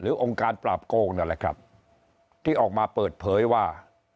องค์การปราบโกงนั่นแหละครับที่ออกมาเปิดเผยว่า